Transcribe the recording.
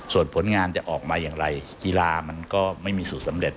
ส่วนผลงานจะออกมาอย่างไรกีฬามันก็ไม่มีสูตรสำเร็จ